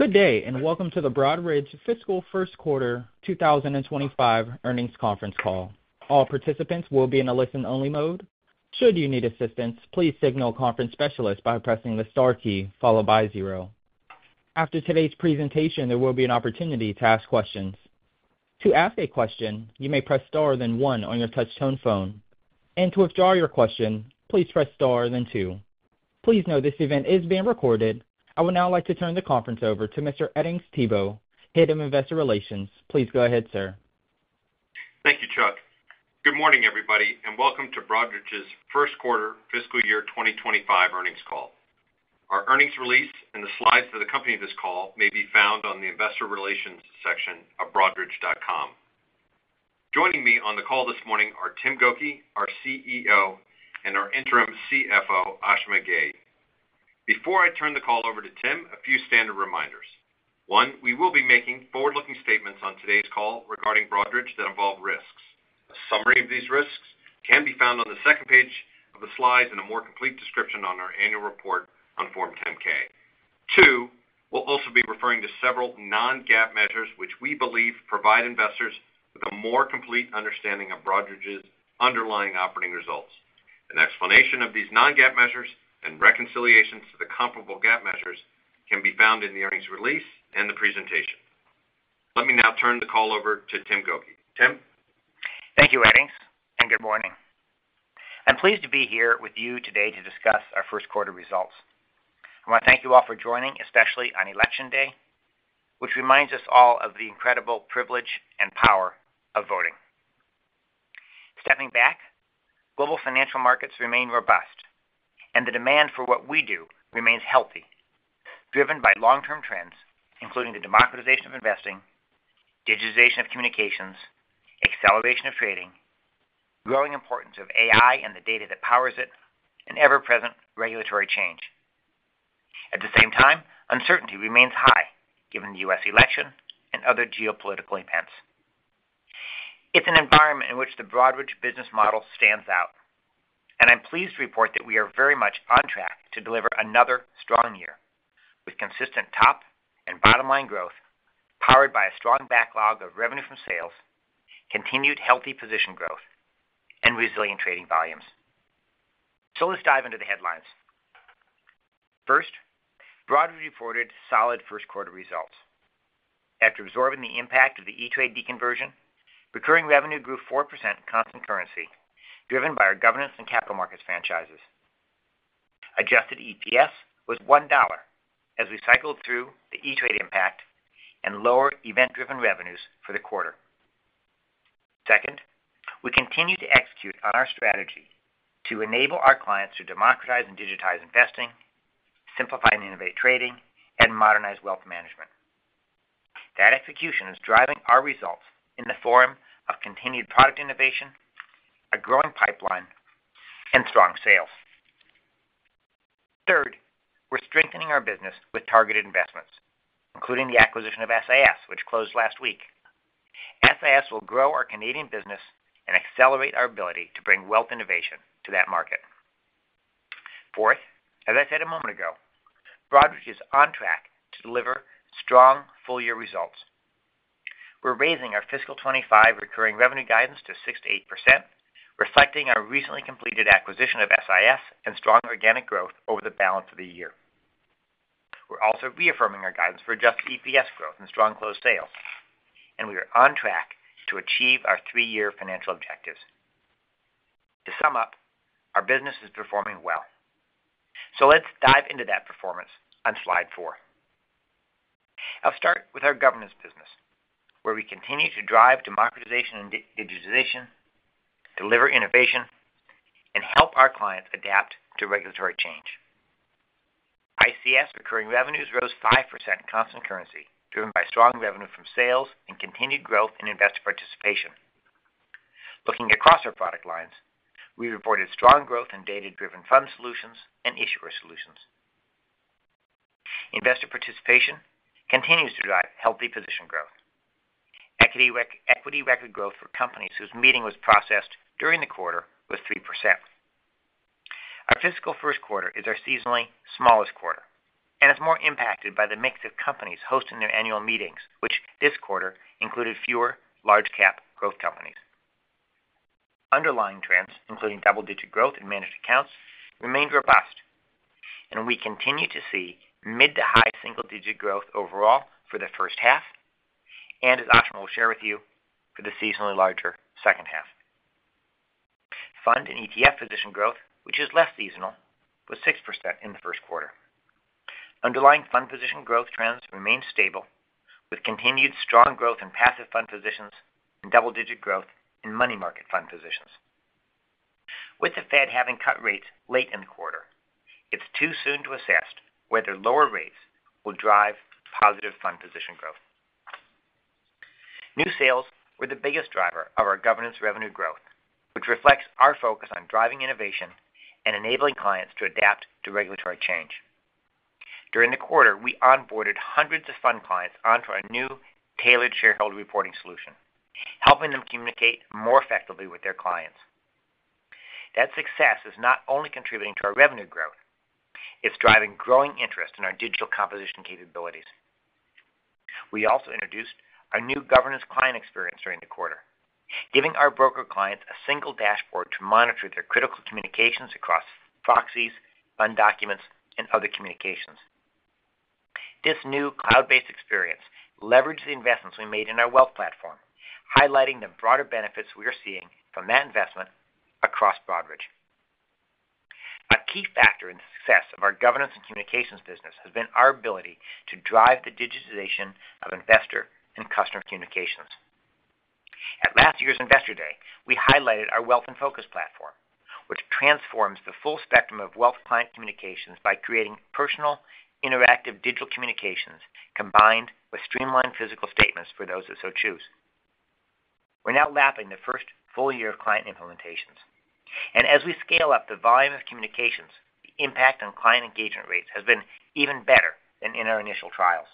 Good day, and welcome to the Broadridge Fiscal First Quarter 2025 earnings conference call. All participants will be in a listen-only mode. Should you need assistance, please signal conference specialist by pressing the star key followed by zero. After today's presentation, there will be an opportunity to ask questions. To ask a question, you may press star then one on your touch-tone phone, and to withdraw your question, please press star then two. Please note this event is being recorded. I would now like to turn the conference over to Mr. Edings Thibault, Head of Investor Relations. Please go ahead, sir. Thank you, Chuck. Good morning, everybody, and welcome to Broadridge's First Quarter Fiscal Year 2025 earnings call. Our earnings release and the slides to accompany this call may be found on the Investor Relations section of broadridge.com. Joining me on the call this morning are Tim Gokey, our CEO, and our interim CFO, Ashima Ghei. Before I turn the call over to Tim, a few standard reminders. One, we will be making forward-looking statements on today's call regarding Broadridge that involve risks. A summary of these risks can be found on the second page of the slides and a more complete description on our annual report on Form 10-K. Two, we'll also be referring to several non-GAAP measures which we believe provide investors with a more complete understanding of Broadridge's underlying operating results. An explanation of these non-GAAP measures and reconciliations to the comparable GAAP measures can be found in the earnings release and the presentation. Let me now turn the call over to Tim Gokey. Tim? Thank you, Edings, and good morning. I'm pleased to be here with you today to discuss our first quarter results. I want to thank you all for joining, especially on election day, which reminds us all of the incredible privilege and power of voting. Stepping back, global financial markets remain robust, and the demand for what we do remains healthy, driven by long-term trends, including the democratization of investing, digitization of communications, acceleration of trading, growing importance of AI and the data that powers it, and ever-present regulatory change. At the same time, uncertainty remains high given the U.S. election and other geopolitical events. It's an environment in which the Broadridge business model stands out, and I'm pleased to report that we are very much on track to deliver another strong year with consistent top and bottom-line growth powered by a strong backlog of revenue from sales, continued healthy position growth, and resilient trading volumes. So let's dive into the headlines. First, Broadridge reported solid first quarter results. After absorbing the impact of the E*TRADE deconversion, recurring revenue grew 4% in constant currency, driven by our Governance and Capital Markets franchises. Adjusted EPS was $1 as we cycled through the E*TRADE impact and lower event-driven revenues for the quarter. Second, we continue to execute on our strategy to enable our clients to democratize and digitize investing, simplify and innovate trading, and modernize wealth management. That execution is driving our results in the form of continued product innovation, a growing pipeline, and strong sales. Third, we're strengthening our business with targeted investments, including the acquisition of SIS, which closed last week. SIS will grow our Canadian business and accelerate our ability to bring wealth innovation to that market. Fourth, as I said a moment ago, Broadridge is on track to deliver strong full-year results. We're raising our fiscal 2025 recurring revenue guidance to 6%-8%, reflecting our recently completed acquisition of SIS and strong organic growth over the balance of the year. We're also reaffirming our guidance for adjusted EPS growth and strong closed sales, and we are on track to achieve our three-year financial objectives. To sum up, our business is performing well. So let's dive into that performance on slide four. I'll start with our governance business, where we continue to drive democratization and digitization, deliver innovation, and help our clients adapt to regulatory change. ICS recurring revenues rose 5% in constant currency, driven by strong revenue from sales and continued growth in investor participation. Looking across our product lines, we reported strong growth in data-driven fund solutions and issuer solutions. Investor participation continues to drive healthy position growth. Equity record growth for companies whose meeting was processed during the quarter was 3%. Our fiscal first quarter is our seasonally smallest quarter and is more impacted by the mix of companies hosting their annual meetings, which this quarter included fewer large-cap growth companies. Underlying trends, including double-digit growth in managed accounts, remained robust, and we continue to see mid to high single-digit growth overall for the first half, and, as Ashima will share with you, for the seasonally larger second half. Fund and ETF position growth, which is less seasonal, was 6% in the first quarter. Underlying fund position growth trends remain stable, with continued strong growth in passive fund positions and double-digit growth in money market fund positions. With the Fed having cut rates late in the quarter, it's too soon to assess whether lower rates will drive positive fund position growth. New sales were the biggest driver of our governance revenue growth, which reflects our focus on driving innovation and enabling clients to adapt to regulatory change. During the quarter, we onboarded hundreds of fund clients onto our new tailored shareholder reporting solution, helping them communicate more effectively with their clients. That success is not only contributing to our revenue growth. It's driving growing interest in our digital composition capabilities. We also introduced our new governance client experience during the quarter, giving our broker clients a single dashboard to monitor their critical communications across proxies, fund documents, and other communications. This new cloud-based experience leveraged the investments we made in our Wealth Platform, highlighting the broader benefits we are seeing from that investment across Broadridge. A key factor in the success of our governance and communications business has been our ability to drive the digitization of investor and customer communications. At last year's Investor Day, we highlighted our Wealth In Focus platform, which transforms the full spectrum of wealth client communications by creating personal, interactive digital communications combined with streamlined physical statements for those that so choose. We're now lapping the first full year of client implementations, and as we scale up the volume of communications, the impact on client engagement rates has been even better than in our initial trials.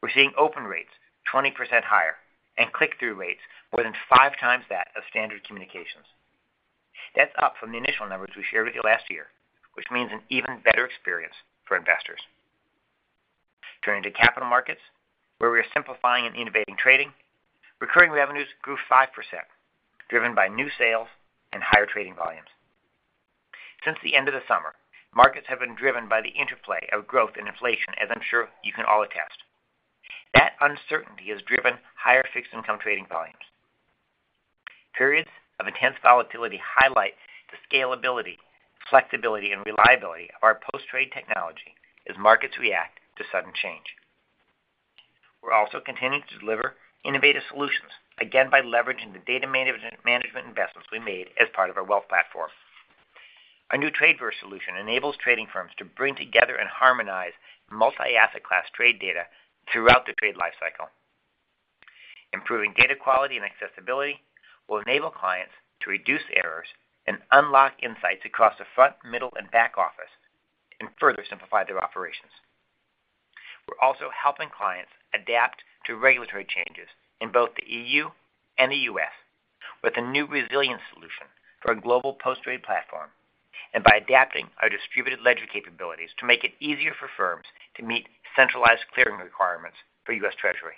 We're seeing open rates 20% higher and click-through rates more than five times that of standard communications. That's up from the initial numbers we shared with you last year, which means an even better experience for investors. Turning to capital markets, where we are simplifying and innovating trading, recurring revenues grew 5%, driven by new sales and higher trading volumes. Since the end of the summer, markets have been driven by the interplay of growth and inflation, as I'm sure you can all attest. That uncertainty has driven higher fixed-income trading volumes. Periods of intense volatility highlight the scalability, flexibility, and reliability of our post-trade technology as markets react to sudden change. We're also continuing to deliver innovative solutions, again by leveraging the data management investments we made as part of our wealth platform. Our new TradeVerse solution enables trading firms to bring together and harmonize multi-asset class trade data throughout the trade lifecycle. Improving data quality and accessibility will enable clients to reduce errors and unlock insights across the front, middle, and back office, and further simplify their operations. We're also helping clients adapt to regulatory changes in both the EU and the U.S. with a new resilience solution for a global post-trade platform and by adapting our distributed ledger capabilities to make it easier for firms to meet centralized clearing requirements for U.S. Treasury.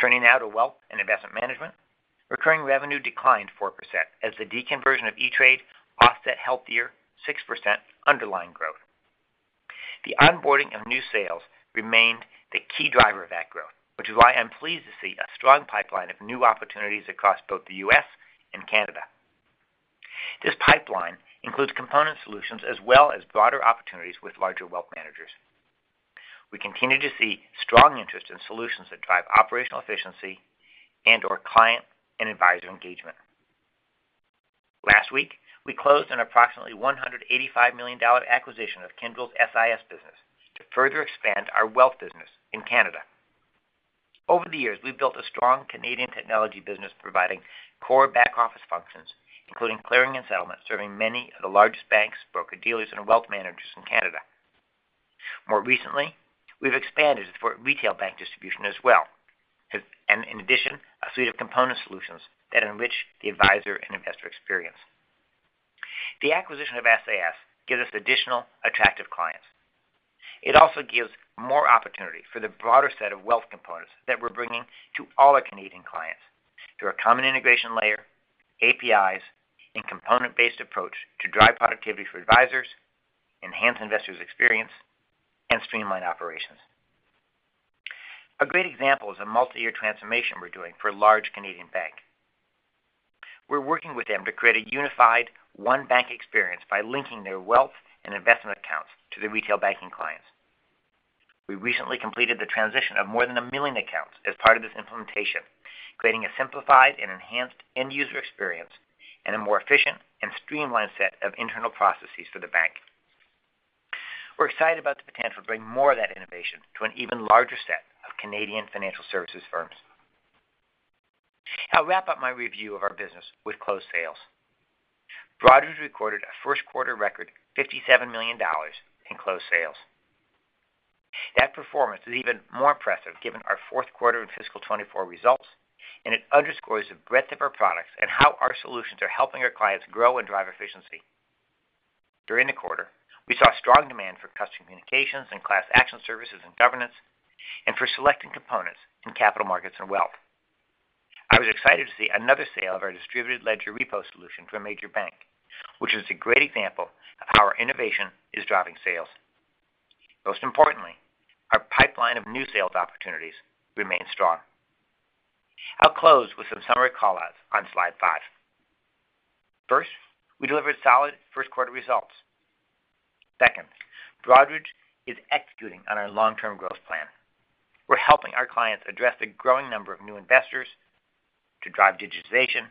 Turning now to wealth and investment management, recurring revenue declined 4% as the deconversion of E*TRADE offset healthier 6% underlying growth. The onboarding of new sales remained the key driver of that growth, which is why I'm pleased to see a strong pipeline of new opportunities across both the U.S. and Canada. This pipeline includes component solutions as well as broader opportunities with larger wealth managers. We continue to see strong interest in solutions that drive operational efficiency and/or client and advisor engagement. Last week, we closed an approximately $185 million acquisition of Kyndryl's SIS business to further expand our wealth business in Canada. Over the years, we've built a strong Canadian technology business providing core back office functions, including clearing and settlement, serving many of the largest banks, broker-dealers, and wealth managers in Canada. More recently, we've expanded for retail bank distribution as well, and in addition, a suite of component solutions that enrich the advisor and investor experience. The acquisition of SIS gives us additional attractive clients. It also gives more opportunity for the broader set of wealth components that we're bringing to all our Canadian clients through a common integration layer, APIs, and component-based approach to drive productivity for advisors, enhance investors' experience, and streamline operations. A great example is a multi-year transformation we're doing for a large Canadian bank. We're working with them to create a unified one-bank experience by linking their wealth and investment accounts to the retail banking clients. We recently completed the transition of more than a million accounts as part of this implementation, creating a simplified and enhanced end-user experience and a more efficient and streamlined set of internal processes for the bank. We're excited about the potential to bring more of that innovation to an even larger set of Canadian financial services firms. I'll wrap up my review of our business with closed sales. Broadridge recorded a first quarter record $57 million in closed sales. That performance is even more impressive given our fourth quarter and fiscal 2024 results, and it underscores the breadth of our products and how our solutions are helping our clients grow and drive efficiency. During the quarter, we saw strong demand for customer communications and class action services and governance, and for selecting components in capital markets and wealth. I was excited to see another sale of our distributed ledger repo solution for a major bank, which is a great example of how our innovation is driving sales. Most importantly, our pipeline of new sales opportunities remains strong. I'll close with some summary callouts on slide five. First, we delivered solid first quarter results. Second, Broadridge is executing on our long-term growth plan. We're helping our clients address the growing number of new investors to drive digitization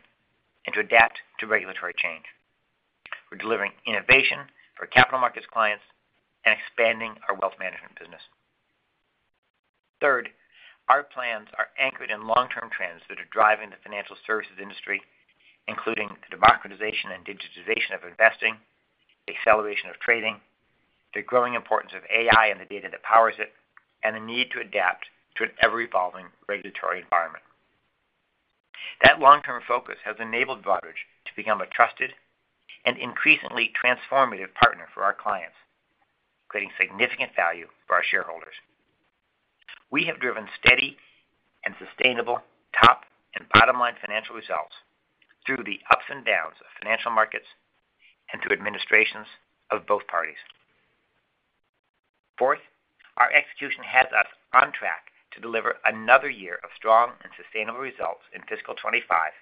and to adapt to regulatory change. We're delivering innovation for capital markets clients and expanding our wealth management business. Third, our plans are anchored in long-term trends that are driving the financial services industry, including the democratization and digitization of investing, the acceleration of trading, the growing importance of AI and the data that powers it, and the need to adapt to an ever-evolving regulatory environment. That long-term focus has enabled Broadridge to become a trusted and increasingly transformative partner for our clients, creating significant value for our shareholders. We have driven steady and sustainable top- and bottom-line financial results through the ups and downs of financial markets and through administrations of both parties. Fourth, our execution has us on track to deliver another year of strong and sustainable results in fiscal 2025,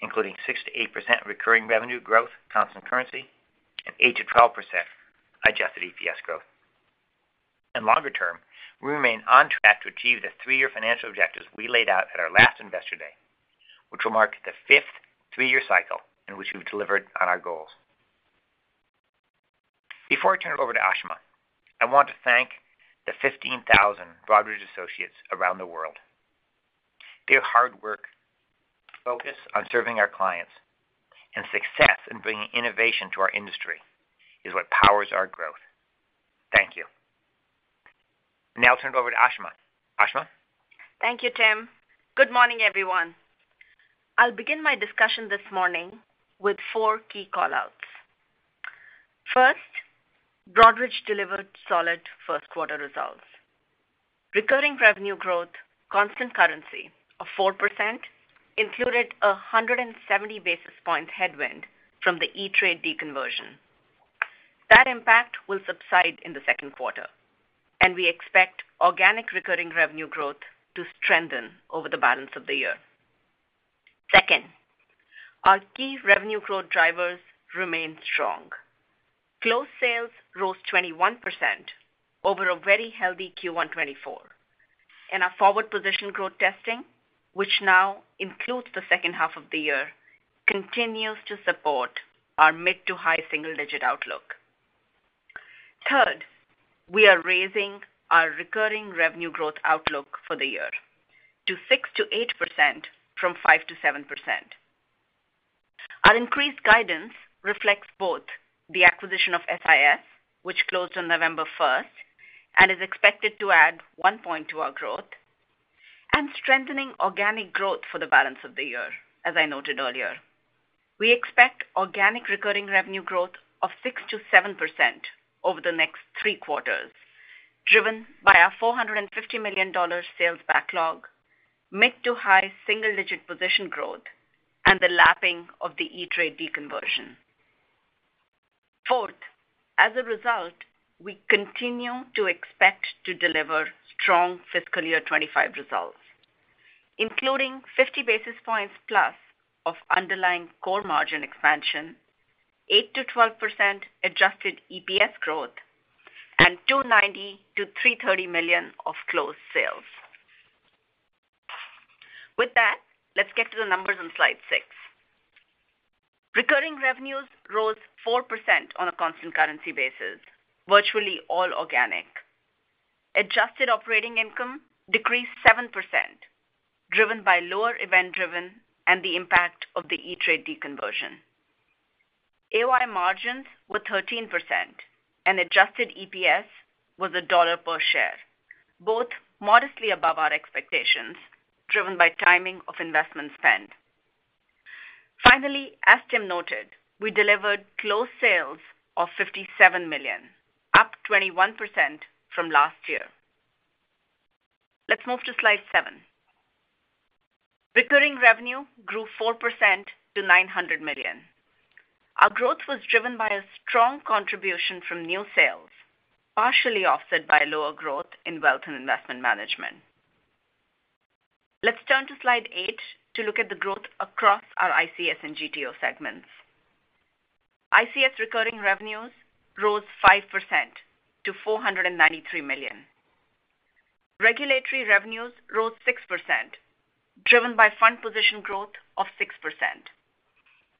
including 6%-8% recurring revenue growth, constant currency, and 8%-12% adjusted EPS growth. In longer term, we remain on track to achieve the three-year financial objectives we laid out at our last Investor Day, which will mark the fifth three-year cycle in which we've delivered on our goals. Before I turn it over to Ashima, I want to thank the 15,000 Broadridge associates around the world. Their hard work, focus on serving our clients, and success in bringing innovation to our industry is what powers our growth. Thank you. Now I'll turn it over to Ashima. Ashima? Thank you, Tim. Good morning, everyone. I'll begin my discussion this morning with four key callouts. First, Broadridge delivered solid first quarter results. Recurring revenue growth, constant currency of 4%, included a 170 basis points headwind from the E*TRADE deconversion. That impact will subside in the second quarter, and we expect organic recurring revenue growth to strengthen over the balance of the year. Second, our key revenue growth drivers remain strong. Closed sales rose 21% over a very healthy Q1 2024, and our forward position growth testing, which now includes the second half of the year, continues to support our mid to high single-digit outlook. Third, we are raising our recurring revenue growth outlook for the year to 6%-8% from 5%-7%. Our increased guidance reflects both the acquisition of SIS, which closed on November 1st, and is expected to add one point to our growth, and strengthening organic growth for the balance of the year, as I noted earlier. We expect organic recurring revenue growth of 6%-7% over the next three quarters, driven by our $450 million sales backlog, mid to high single-digit position growth, and the lapping of the E*TRADE deconversion. Fourth, as a result, we continue to expect to deliver strong Fiscal Year 2025 results, including 50 basis points plus of underlying core margin expansion, 8%-12% adjusted EPS growth, and $290-$330 million of closed sales. With that, let's get to the numbers on slide six. Recurring revenues rose 4% on a constant currency basis, virtually all organic. Adjusted operating income decreased 7%, driven by lower event driven and the impact of the E*TRADE deconversion. AOI margins were 13%, and adjusted EPS was $1 per share, both modestly above our expectations, driven by timing of investment spend. Finally, as Tim noted, we delivered closed sales of $57 million, up 21% from last year. Let's move to slide seven. Recurring revenue grew 4% to $900 million. Our growth was driven by a strong contribution from new sales, partially offset by lower growth in wealth and investment management. Let's turn to slide eight to look at the growth across our ICS and GTO segments. ICS recurring revenues rose 5% to $493 million. Regulatory revenues rose 6%, driven by fund position growth of 6%.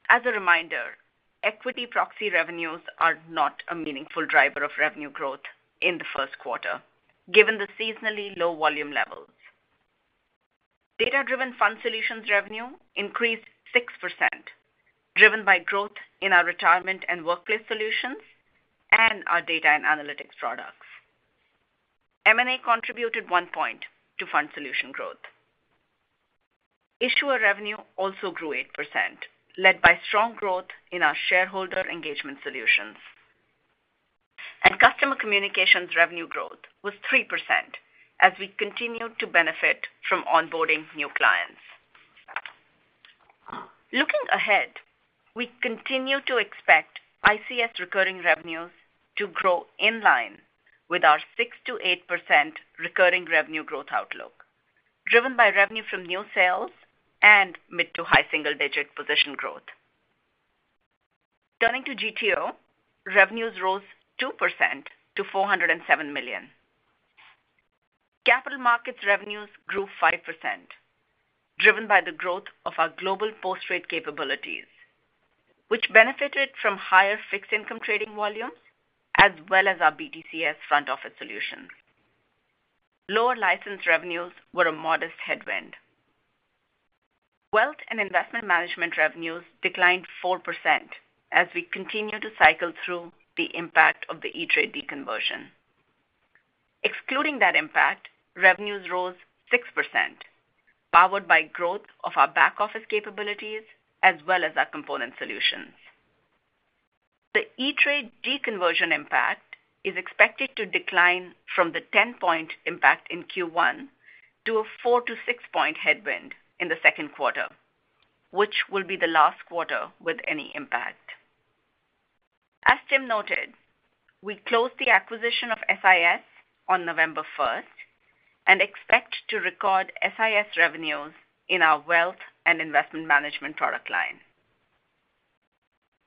As a reminder, equity proxy revenues are not a meaningful driver of revenue growth in the first quarter, given the seasonally low volume levels. Data-driven fund solutions revenue increased 6%, driven by growth in our retirement and workplace solutions and our data and analytics products. M&A contributed one point to fund solution growth. Issuer revenue also grew 8%, led by strong growth in our shareholder engagement solutions, and customer communications revenue growth was 3% as we continued to benefit from onboarding new clients. Looking ahead, we continue to expect ICS recurring revenues to grow in line with our 6%-8% recurring revenue growth outlook, driven by revenue from new sales and mid to high single-digit position growth. Turning to GTO, revenues rose 2% to $407 million. Capital markets revenues grew 5%, driven by the growth of our global post-trade capabilities, which benefited from higher fixed-income trading volumes as well as our BTCS front office solutions. Lower license revenues were a modest headwind. Wealth and investment management revenues declined 4% as we continue to cycle through the impact of the E*TRADE deconversion. Excluding that impact, revenues rose 6%, powered by growth of our back office capabilities as well as our component solutions. The E*TRADE deconversion impact is expected to decline from the 10-point impact in Q1 to a 4- to 6-point headwind in the second quarter, which will be the last quarter with any impact. As Tim noted, we closed the acquisition of SIS on November 1st and expect to record SIS revenues in our wealth and investment management product line.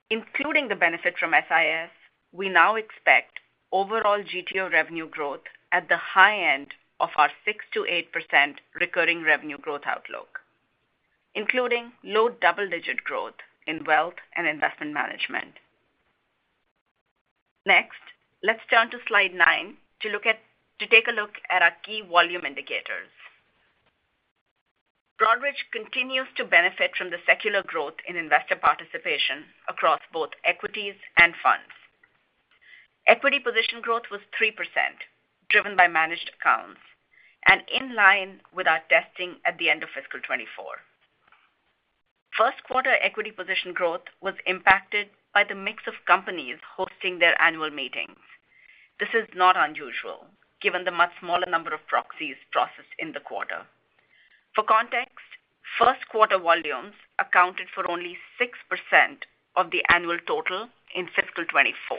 Including the benefit from SIS, we now expect overall GTO revenue growth at the high end of our 6%-8% recurring revenue growth outlook, including low double-digit growth in wealth and investment management. Next, let's turn to slide nine to take a look at our key volume indicators. Broadridge continues to benefit from the secular growth in investor participation across both equities and funds. Equity position growth was 3%, driven by managed accounts and in line with our testing at the end of fiscal 2024. First quarter equity position growth was impacted by the mix of companies hosting their annual meetings. This is not unusual, given the much smaller number of proxies processed in the quarter. For context, first quarter volumes accounted for only 6% of the annual total in fiscal 2024.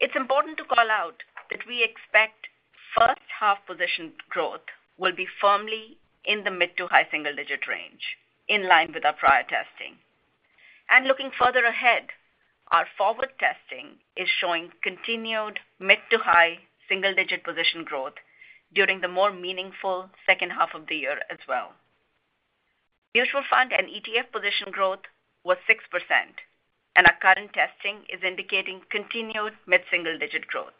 It's important to call out that we expect first half position growth will be firmly in the mid to high single-digit range, in line with our prior testing. And looking further ahead, our forward testing is showing continued mid to high single-digit position growth during the more meaningful second half of the year as well. Mutual fund and ETF position growth was 6%, and our current testing is indicating continued mid single-digit growth.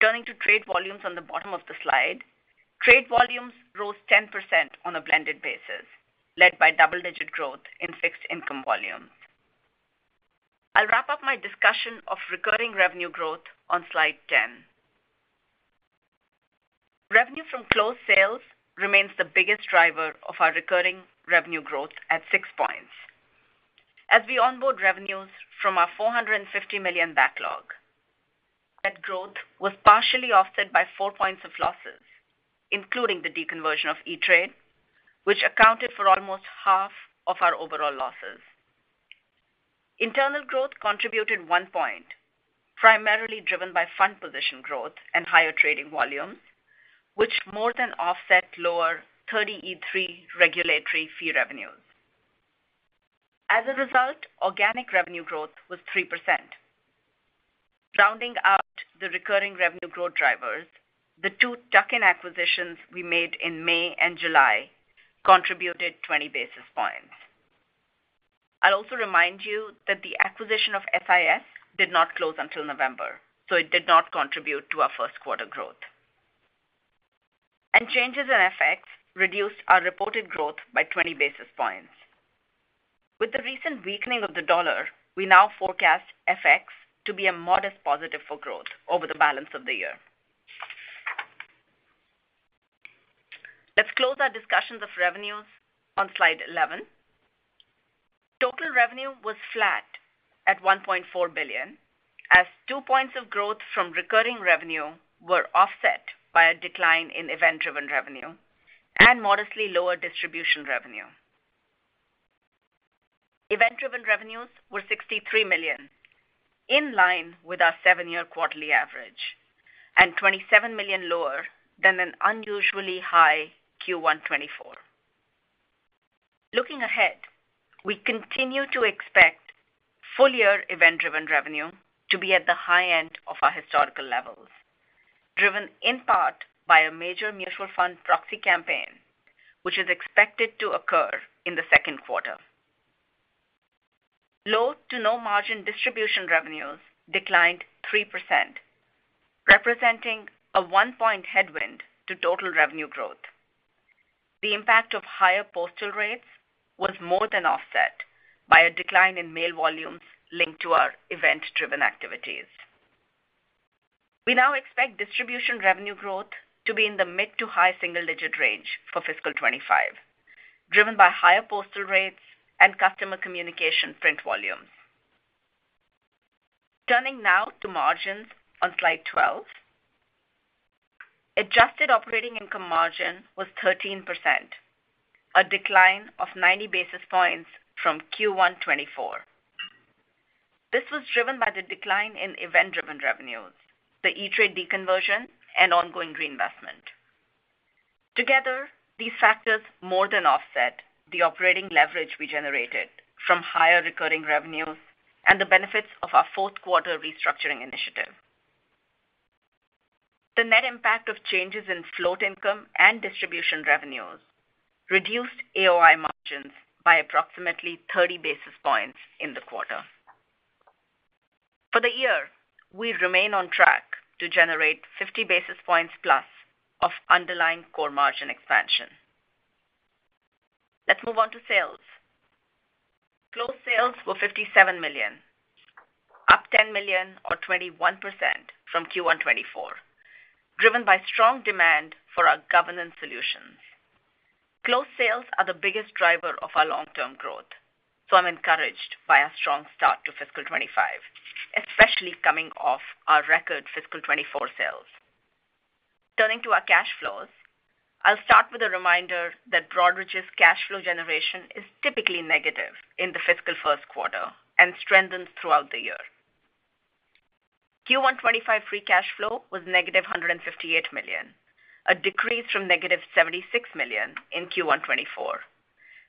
Turning to trade volumes on the bottom of the slide, trade volumes rose 10% on a blended basis, led by double-digit growth in fixed-income volumes. I'll wrap up my discussion of recurring revenue growth on slide 10. Revenue from closed sales remains the biggest driver of our recurring revenue growth at 6 points. As we onboard revenues from our 450 million backlog, that growth was partially offset by 4 points of losses, including the deconversion of E*TRADE, which accounted for almost half of our overall losses. Internal growth contributed one point, primarily driven by fund position growth and higher trading volumes, which more than offset lower 30e-3 regulatory fee revenues. As a result, organic revenue growth was 3%. Rounding out the recurring revenue growth drivers, the two tuck-in acquisitions we made in May and July contributed 20 basis points. I'll also remind you that the acquisition of SIS did not close until November, so it did not contribute to our first quarter growth. And changes in FX reduced our reported growth by 20 basis points. With the recent weakening of the dollar, we now forecast FX to be a modest positive for growth over the balance of the year. Let's close our discussions of revenues on slide 11. Total revenue was flat at $1.4 billion, as two points of growth from recurring revenue were offset by a decline in event-driven revenue and modestly lower distribution revenue. Event-driven revenues were $63 million, in line with our seven-year quarterly average, and $27 million lower than an unusually high Q1 2024. Looking ahead, we continue to expect full year event-driven revenue to be at the high end of our historical levels, driven in part by a major mutual fund proxy campaign, which is expected to occur in the second quarter. Low to no margin distribution revenues declined 3%, representing a one-point headwind to total revenue growth. The impact of higher postal rates was more than offset by a decline in mail volumes linked to our event-driven activities. We now expect distribution revenue growth to be in the mid to high single-digit range for fiscal 2025, driven by higher postal rates and customer communication print volumes. Turning now to margins on slide 12, adjusted operating income margin was 13%, a decline of 90 basis points from Q1 2024. This was driven by the decline in event-driven revenues, the E*TRADE deconversion, and ongoing reinvestment. Together, these factors more than offset the operating leverage we generated from higher recurring revenues and the benefits of our fourth quarter restructuring initiative. The net impact of changes in float income and distribution revenues reduced AOI margins by approximately 30 basis points in the quarter. For the year, we remain on track to generate 50 basis points plus of underlying core margin expansion. Let's move on to sales. Closed sales were $57 million, up $10 million or 21% from Q1 2024, driven by strong demand for our governance solutions. Closed sales are the biggest driver of our long-term growth, so I'm encouraged by our strong start to fiscal 2025, especially coming off our record fiscal 2024 sales. Turning to our cash flows, I'll start with a reminder that Broadridge's cash flow generation is typically negative in the fiscal first quarter and strengthens throughout the year. Q1 2025 free cash flow was negative $158 million, a decrease from negative $76 million in Q1 2024.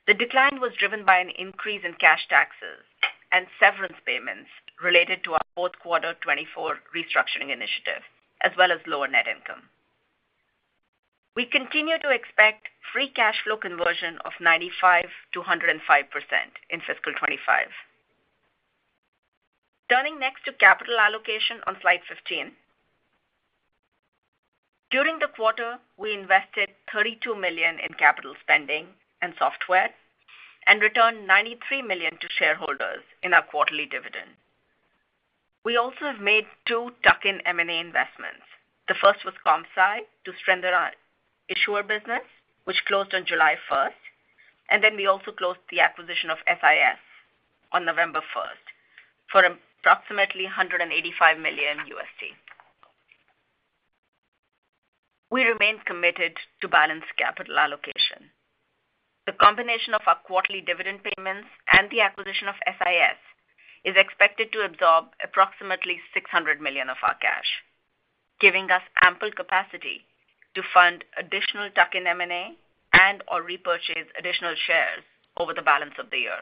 The decline was driven by an increase in cash taxes and severance payments related to our fourth quarter 2024 restructuring initiative, as well as lower net income. We continue to expect free cash flow conversion of 95% to 105% in fiscal 2025. Turning next to capital allocation on slide 15, during the quarter, we invested $32 million in capital spending and software and returned $93 million to shareholders in our quarterly dividend. We also have made two tuck-in M&A investments. The first was CompSci to strengthen our issuer business, which closed on July 1st, and then we also closed the acquisition of SIS on November 1st for approximately $185 million. We remain committed to balance capital allocation. The combination of our quarterly dividend payments and the acquisition of SIS is expected to absorb approximately $600 million of our cash, giving us ample capacity to fund additional tuck-in M&A and/or repurchase additional shares over the balance of the year.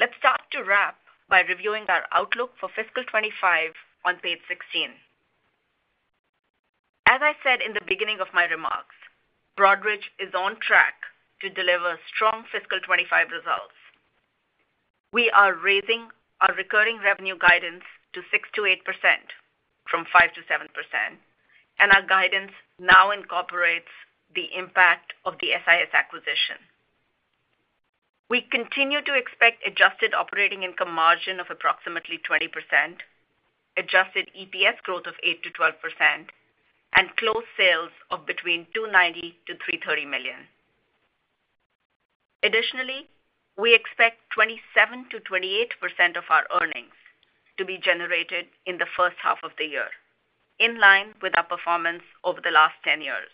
Let's start to wrap by reviewing our outlook for fiscal 2025 on page 16. As I said in the beginning of my remarks, Broadridge is on track to deliver strong fiscal 2025 results. We are raising our recurring revenue guidance to 6%-8% from 5%-7%, and our guidance now incorporates the impact of the SIS acquisition. We continue to expect adjusted operating income margin of approximately 20%, adjusted EPS growth of 8%-12%, and closed sales of between $290 million to $330 million. Additionally, we expect 27%-28% of our earnings to be generated in the first half of the year, in line with our performance over the last 10 years.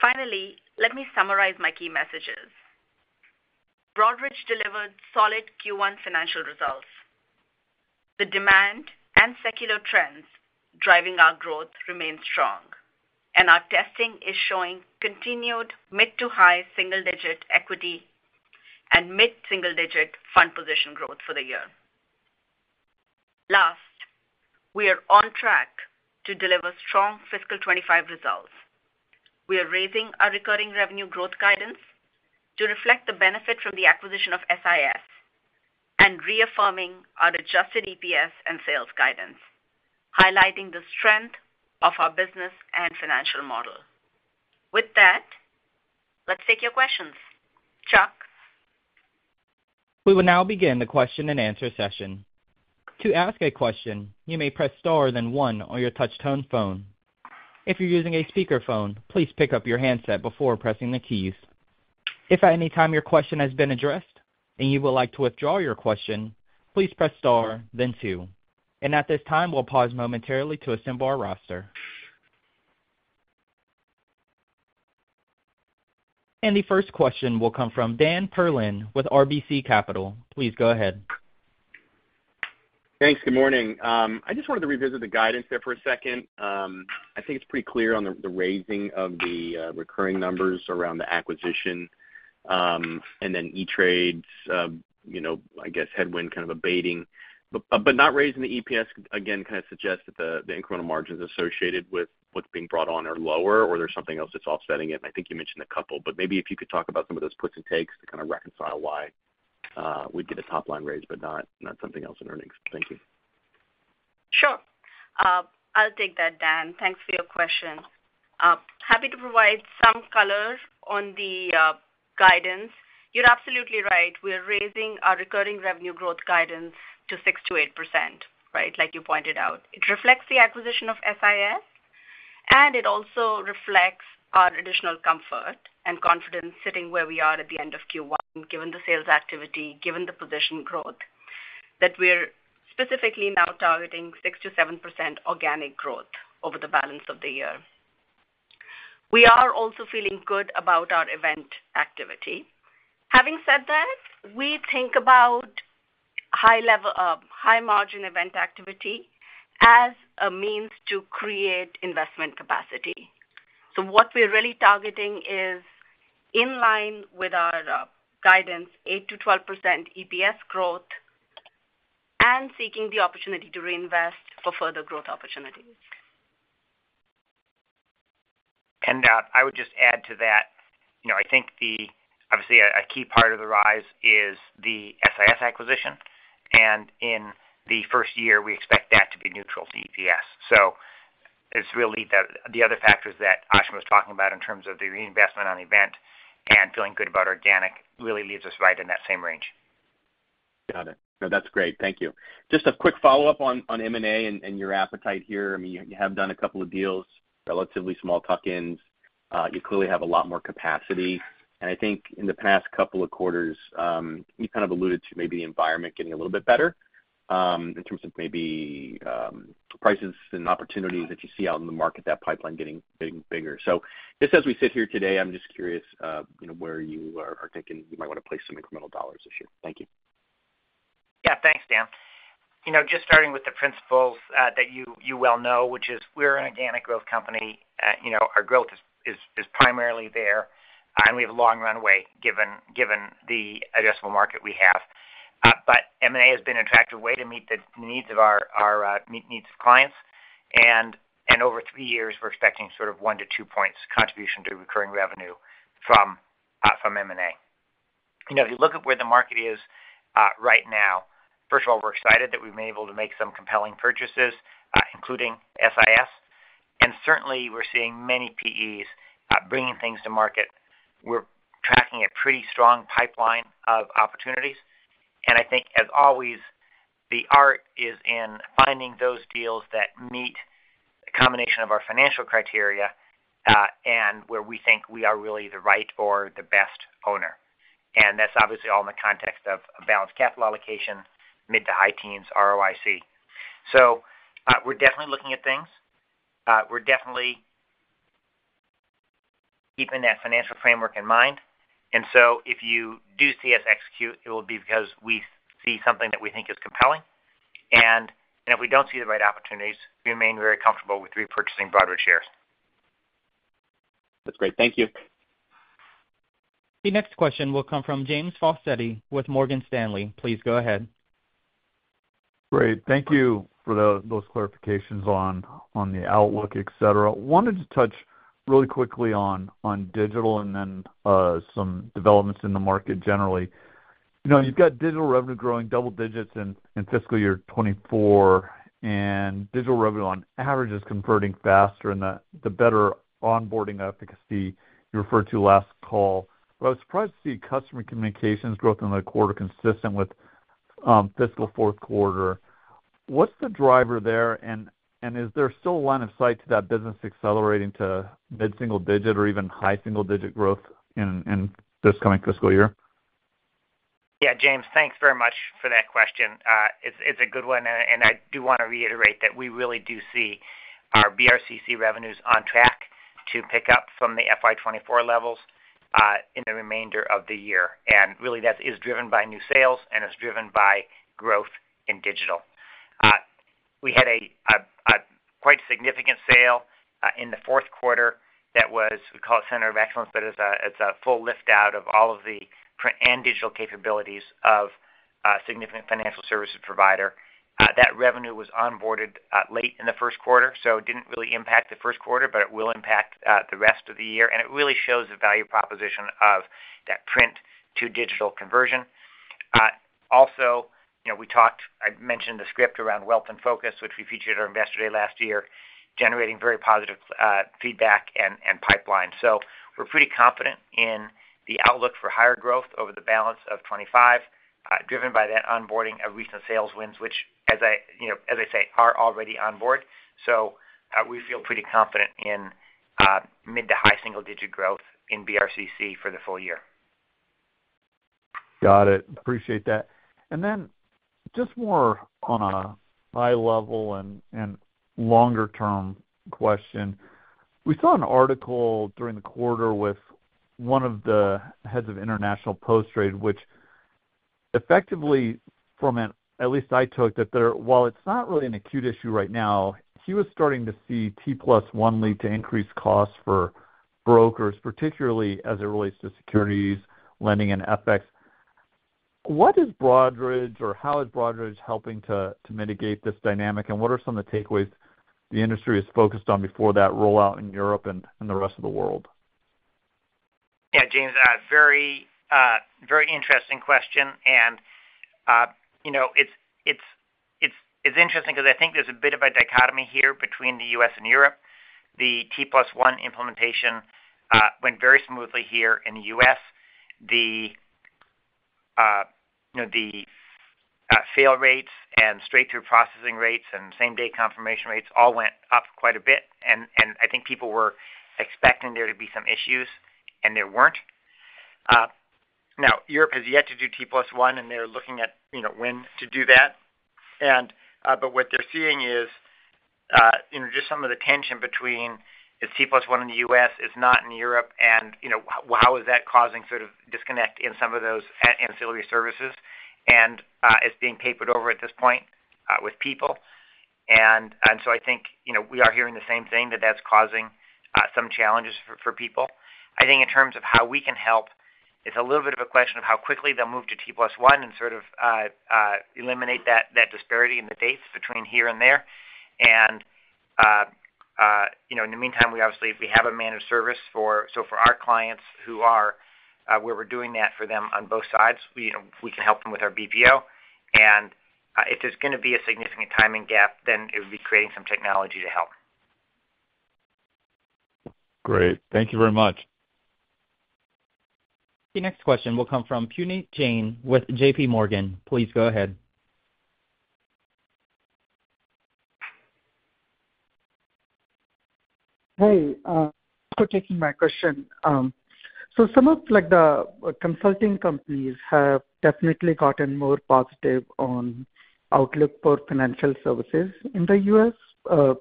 Finally, let me summarize my key messages. Broadridge delivered solid Q1 financial results. The demand and secular trends driving our growth remain strong, and our testing is showing continued mid to high single-digit equity and mid single-digit fund position growth for the year. Last, we are on track to deliver strong Fiscal 2025 results. We are raising our recurring revenue growth guidance to reflect the benefit from the acquisition of SIS and reaffirming our Adjusted EPS and sales guidance, highlighting the strength of our business and financial model. With that, let's take your questions. Chuck. We will now begin the question and answer session. To ask a question, you may press star then one on your touch-tone phone. If you're using a speakerphone, please pick up your handset before pressing the keys. If at any time your question has been addressed and you would like to withdraw your question, please press star then two. And at this time, we'll pause momentarily to assemble our roster. And the first question will come from Daniel Perlin with RBC Capital. Please go ahead. Thanks. Good morning. I just wanted to revisit the guidance there for a second. I think it's pretty clear on the raising of the recurring numbers around the acquisition and then E*TRADE's, I guess, headwind kind of abating. But not raising the EPS again kind of suggests that the incremental margins associated with what's being brought on are lower or there's something else that's offsetting it. And I think you mentioned a couple, but maybe if you could talk about some of those puts and takes to kind of reconcile why we'd get a top-line raise but not something else in earnings. Thank you. Sure. I'll take that, Daniel. Thanks for your question. Happy to provide some color on the guidance. You're absolutely right. We're raising our recurring revenue growth guidance to 6%-8%, right, like you pointed out. It reflects the acquisition of SIS, and it also reflects our additional comfort and confidence sitting where we are at the end of Q1, given the sales activity, given the position growth, that we're specifically now targeting 6%-7% organic growth over the balance of the year. We are also feeling good about our event activity. Having said that, we think about high-margin event activity as a means to create investment capacity, so what we're really targeting is in line with our guidance, 8%-12% EPS growth and seeking the opportunity to reinvest for further growth opportunities. And I would just add to that, I think obviously a key part of the rise is the SIS acquisition, and in the first year, we expect that to be neutral to EPS. So it's really the other factors that Ashima was talking about in terms of the reinvestment on event and feeling good about organic, really leaves us right in that same range. Got it. No, that's great. Thank you. Just a quick follow-up on M&A and your appetite here. I mean, you have done a couple of deals, relatively small tuck-ins. You clearly have a lot more capacity. And I think in the past couple of quarters, you kind of alluded to maybe the environment getting a little bit better in terms of maybe prices and opportunities that you see out in the market, that pipeline getting bigger. So just as we sit here today, I'm just curious where you are thinking you might want to place some incremental dollars this year. Thank you. Yeah. Thanks, Daniel. Just starting with the principles that you well know, which is we're an organic growth company. Our growth is primarily there, and we have a long runway given the addressable market we have. But M&A has been an attractive way to meet the needs of our clients. And over three years, we're expecting sort of one to two points contribution to recurring revenue from M&A. If you look at where the market is right now, first of all, we're excited that we've been able to make some compelling purchases, including SIS. And certainly, we're seeing many PEs bringing things to market. We're tracking a pretty strong pipeline of opportunities. And I think, as always, the art is in finding those deals that meet a combination of our financial criteria and where we think we are really the right or the best owner. And that's obviously all in the context of balanced capital allocation, mid to high teens ROIC. So we're definitely looking at things. We're definitely keeping that financial framework in mind. And so if you do see us execute, it will be because we see something that we think is compelling. And if we don't see the right opportunities, we remain very comfortable with repurchasing Broadridge shares. That's great. Thank you. The next question will come from James Faucette with Morgan Stanley. Please go ahead. Great. Thank you for those clarifications on the outlook, etc. Wanted to touch really quickly on digital and then some developments in the market generally. You've got digital revenue growing double digits in fiscal year 2024, and digital revenue on average is converting faster and the better onboarding efficacy you referred to last call. I was surprised to see customer communications growth in the quarter consistent with fiscal fourth quarter. What's the driver there, and is there still a line of sight to that business accelerating to mid single digit or even high single digit growth in this coming fiscal year? Yeah, James, thanks very much for that question. It's a good one, and I do want to reiterate that we really do see our BRCC revenues on track to pick up from the FY24 levels in the remainder of the year, and really, that is driven by new sales, and it's driven by growth in digital. We had a quite significant sale in the fourth quarter that was, we call it center of excellence, but it's a full lift-out of all of the print and digital capabilities of a significant financial services provider. That revenue was onboarded late in the first quarter, so it didn't really impact the first quarter, but it will impact the rest of the year. And it really shows the value proposition of that print to digital conversion. Also, I mentioned the script around Wealth In Focus, which we featured on Investor Day last year, generating very positive feedback and pipeline. So we're pretty confident in the outlook for higher growth over the balance of 2025, driven by that onboarding of recent sales wins, which, as I say, are already onboard. So we feel pretty confident in mid- to high-single-digit growth in BRCC for the full year. Got it. Appreciate that. And then just more on a high-level and longer-term question. We saw an article during the quarter with one of the heads of International Post-Trade, which effectively, from at least what I took, that while it's not really an acute issue right now, he was starting to see T+1 lead to increased costs for brokers, particularly as it relates to securities lending and FX. What is Broadridge, or how is Broadridge helping to mitigate this dynamic, and what are some of the takeaways the industry has focused on before that rollout in Europe and the rest of the world? Yeah, James, very interesting question. And it's interesting because I think there's a bit of a dichotomy here between the U.S. and Europe. The T+1 implementation went very smoothly here in the U.S. The fail rates and straight-through processing rates and same-day confirmation rates all went up quite a bit, and I think people were expecting there to be some issues, and there weren't. Now, Europe has yet to do T plus one, and they're looking at when to do that, but what they're seeing is just some of the tension between the T plus one in the U.S. is not in Europe, and how is that causing sort of disconnect in some of those ancillary services and is being papered over at this point with people, and so I think we are hearing the same thing, that that's causing some challenges for people. I think in terms of how we can help, it's a little bit of a question of how quickly they'll move to T plus one and sort of eliminate that disparity in the dates between here and there. And in the meantime, we obviously have a managed service for our clients who are where we're doing that for them on both sides. We can help them with our BPO. And if there's going to be a significant timing gap, then it would be creating some technology to help. Great. Thank you very much. The next question will come from Puneet Jain with J.P. Morgan. Please go ahead. Hey. Quickly taking my question. So some of the consulting companies have definitely gotten more positive on outlook for financial services in the US,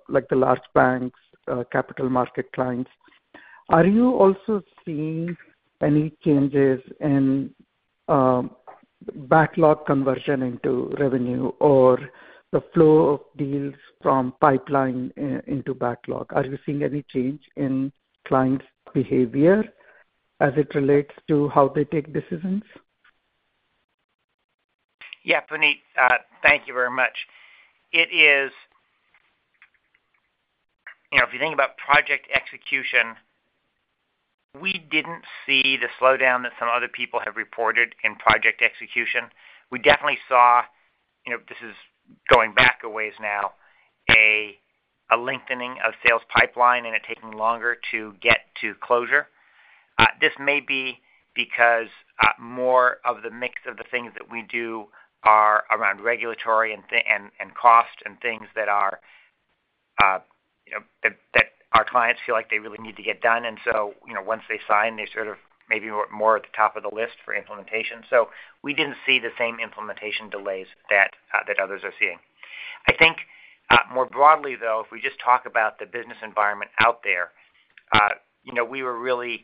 like the large banks, capital market clients. Are you also seeing any changes in backlog conversion into revenue or the flow of deals from pipeline into backlog? Are you seeing any change in clients' behavior as it relates to how they take decisions? Yeah, Puneet, thank you very much. If you think about project execution, we didn't see the slowdown that some other people have reported in project execution. We definitely saw, this is going back a ways now, a lengthening of sales pipeline and it taking longer to get to closure. This may be because more of the mix of the things that we do are around regulatory and cost and things that our clients feel like they really need to get done. And so once they sign, they're sort of maybe more at the top of the list for implementation. So we didn't see the same implementation delays that others are seeing. I think more broadly, though, if we just talk about the business environment out there, we were really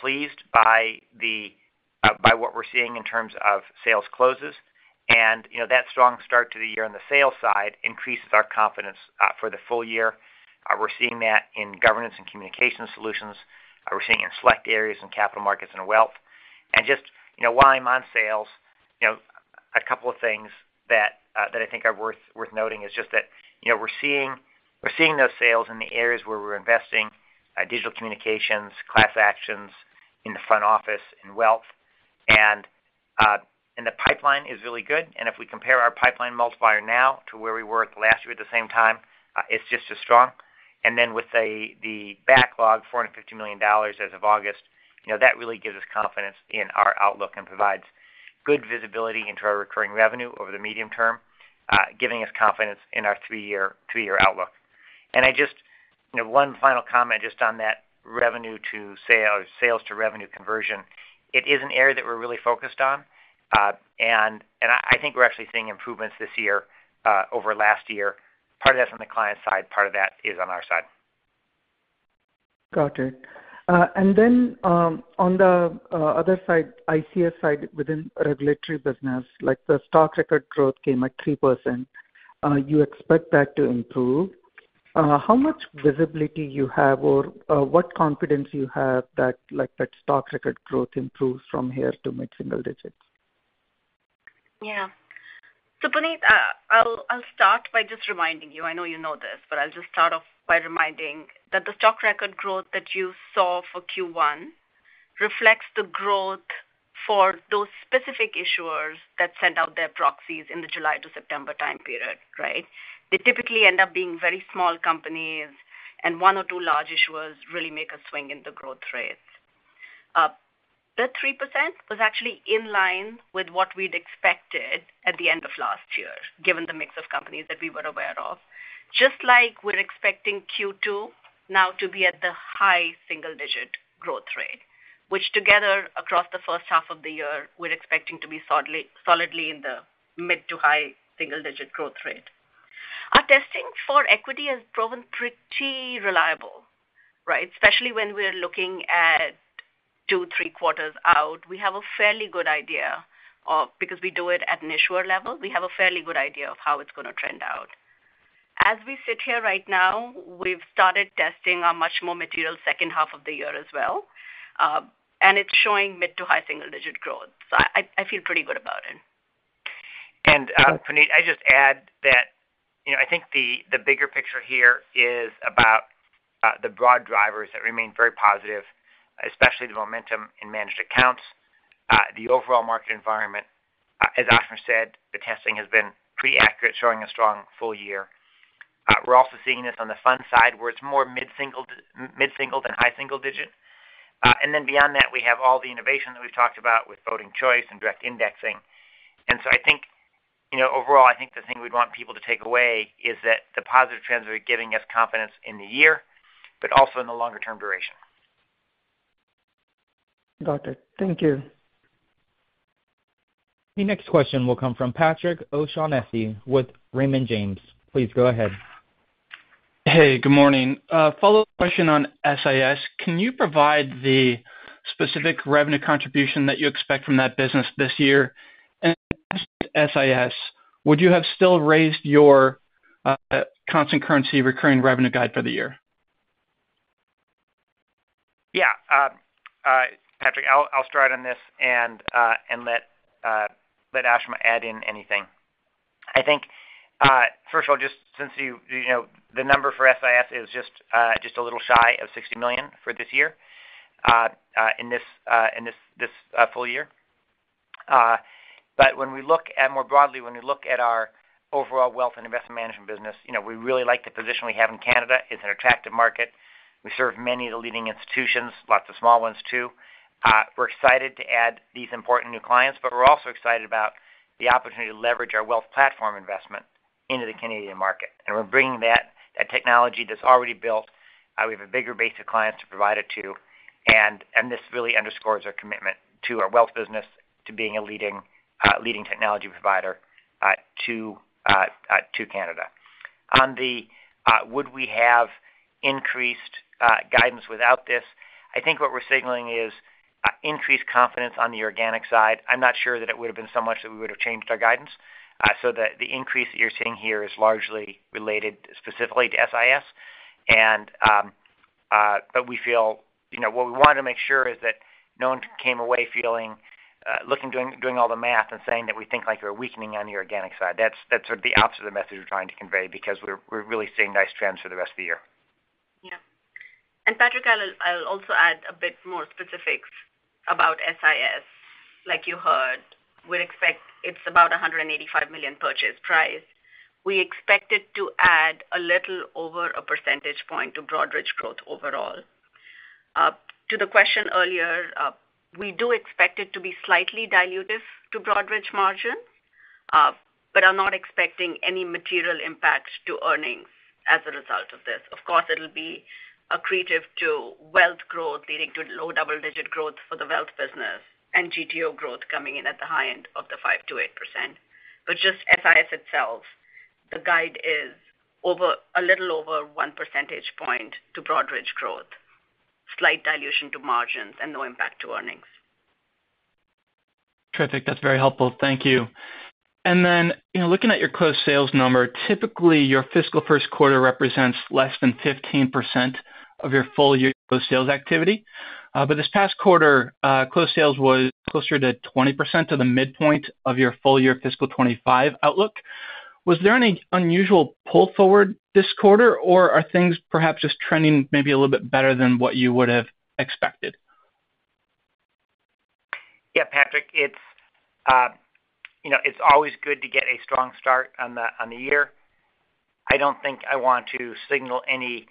pleased by what we're seeing in terms of sales closes. And that strong start to the year on the sales side increases our confidence for the full year. We're seeing that in governance and communication solutions. We're seeing in select areas in capital markets and wealth. And just while I'm on sales, a couple of things that I think are worth noting is just that we're seeing those sales in the areas where we're investing, digital communications, class actions in the front office and wealth. And the pipeline is really good. And if we compare our pipeline multiplier now to where we were last year at the same time, it's just as strong. And then with the backlog, $450 million as of August, that really gives us confidence in our outlook and provides good visibility into our recurring revenue over the medium term, giving us confidence in our three-year outlook. Just one final comment just on that revenue to sales to revenue conversion, it is an area that we're really focused on. I think we're actually seeing improvements this year over last year. Part of that's on the client side. Part of that is on our side. Got it. On the other side, ICS side within regulatory business, the stock record growth came at 3%. You expect that to improve. How much visibility you have or what confidence you have that stock record growth improves from here to mid single digits? Yeah. Puneet, I'll start by just reminding you. I know you know this, but I'll just start off by reminding that the stock record growth that you saw for Q1 reflects the growth for those specific issuers that sent out their proxies in the July to September time period, right? They typically end up being very small companies, and one or two large issuers really make a swing in the growth rate. The 3% was actually in line with what we'd expected at the end of last year, given the mix of companies that we were aware of. Just like we're expecting Q2 now to be at the high single digit growth rate, which together across the first half of the year, we're expecting to be solidly in the mid to high single digit growth rate. Our testing for equity has proven pretty reliable, right? Especially when we're looking at two, three quarters out, we have a fairly good idea of, because we do it at an issuer level, we have a fairly good idea of how it's going to trend out. As we sit here right now, we've started testing our much more material second half of the year as well. And it's showing mid- to high-single-digit growth. So I feel pretty good about it. And Puneet, I just add that I think the bigger picture here is about the broad drivers that remain very positive, especially the momentum in managed accounts, the overall market environment. As Ashima said, the testing has been pretty accurate, showing a strong full year. We're also seeing this on the fund side where it's more mid-single- than high-single-digit. And then beyond that, we have all the innovation that we've talked about with voting choice and direct indexing. And so I think overall, I think the thing we'd want people to take away is that the positive trends are giving us confidence in the year, but also in the longer-term duration. Got it. Thank you. The next question will come from Patrick O'Shaughnessy with Raymond James. Please go ahead. Hey, good morning. Follow-up question on SIS. Can you provide the specific revenue contribution that you expect from that business this year? And absent SIS, would you have still raised your constant currency recurring revenue guide for the year? Yeah. Patrick, I'll start on this and let Ashima add in anything. I think, first of all, just since the number for SIS is just a little shy of $60 million for this year in this full year. But when we look at more broadly, when we look at our overall wealth and investment management business, we really like the position we have in Canada. It's an attractive market. We serve many of the leading institutions, lots of small ones too. We're excited to add these important new clients, but we're also excited about the opportunity to leverage our wealth platform investment into the Canadian market, and we're bringing that technology that's already built. We have a bigger base of clients to provide it to, and this really underscores our commitment to our wealth business, to being a leading technology provider to Canada. Would we have increased guidance without this? I think what we're signaling is increased confidence on the organic side. I'm not sure that it would have been so much that we would have changed our guidance, so the increase that you're seeing here is largely related specifically to SIS, but we feel what we wanted to make sure is that no one came away looking, doing all the math and saying that we think like we're weakening on the organic side. That's sort of the opposite of the message we're trying to convey because we're really seeing nice trends for the rest of the year. Yeah. And Patrick, I'll also add a bit more specifics about SIS. Like you heard, we expect it's about $185 million purchase price. We expect it to add a little over a percentage point to Broadridge growth overall. To the question earlier, we do expect it to be slightly dilutive to Broadridge margins, but are not expecting any material impact to earnings as a result of this. Of course, it'll be accretive to wealth growth leading to low double-digit growth for the wealth business and GTO growth coming in at the high end of the 5%-8%. But just SIS itself, the guide is a little over one percentage point to Broadridge growth, slight dilution to margins, and no impact to earnings. Terrific. That's very helpful. Thank you. And then looking at your closed sales number, typically your fiscal first quarter represents less than 15% of your full year closed sales activity. But this past quarter, closed sales was closer to 20% to the midpoint of your full year fiscal 2025 outlook. Was there any unusual pull forward this quarter, or are things perhaps just trending maybe a little bit better than what you would have expected? Yeah, Patrick, it's always good to get a strong start on the year. I don't think I want to signal any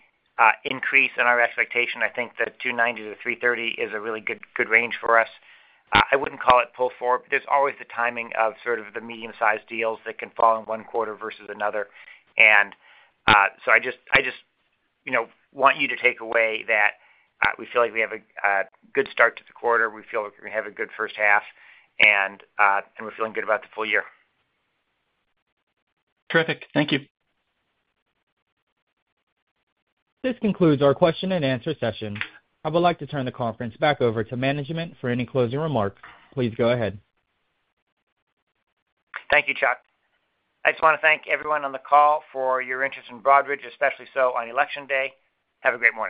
increase in our expectation. I think that 290-330 is a really good range for us. I wouldn't call it pull forward, but there's always the timing of sort of the medium-sized deals that can fall in one quarter versus another. And so I just want you to take away that we feel like we have a good start to the quarter. We feel like we're going to have a good first half, and we're feeling good about the full year. Terrific. Thank you. This concludes our question and answer session. I would like to turn the conference back over to management for any closing remarks. Please go ahead. Thank you, Chuck. I just want to thank everyone on the call for your interest in Broadridge, especially so on election day. Have a great morning.